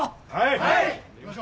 はい！